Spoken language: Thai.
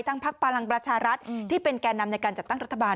พักพลังประชารัฐที่เป็นแก่นำในการจัดตั้งรัฐบาล